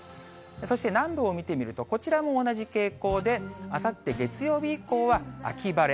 そして南部を見てみると、こちらも同じ傾向で、あさって月曜日以降は秋晴れ。